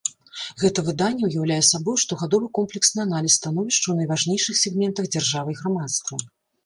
Гэта выданне ўяўляе сабою штогадовы комплексны аналіз становішча ў найважнейшых сегментах дзяржавы і грамадства.